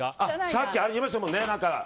さっきありましたもんね。